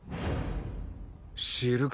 知るか。